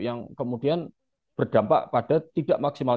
yang kemudian berdampak pada tidak maksimal